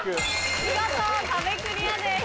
見事壁クリアです。